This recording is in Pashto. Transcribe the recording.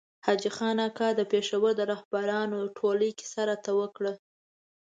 حاجي خان اکا د پېښور رهبرانو ټولۍ کیسه راته وکړه.